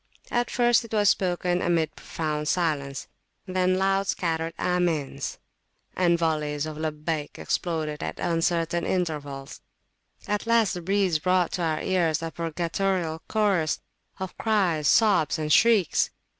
At first it was spoken amid profound silence. Then loud, scattered Amins (Amens) and volleys of Labbayk exploded at uncertain intervals[.] At last the breeze brought to our ears a purgatorial chorus of cries, sobs, and shrieks.